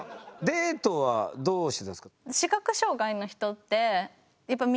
デートはどうしてたんですか？